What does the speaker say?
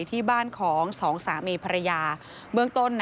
ที่บ้านของสองสามีภรรยาเบื้องต้น